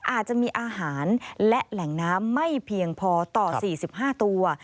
อาจจะมีอาหารและแหล่งน้ำไม่เพียงพอต่อ๔๕ตัว